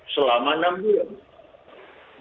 selama enam bulan